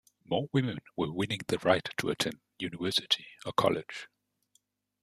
More women were winning the right to attend university or college.